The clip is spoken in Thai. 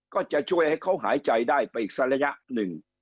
ก็จะช่วยให้เขาหายใจได้ไปอีกสักระยะหนึ่ง